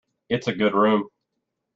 It's a good room!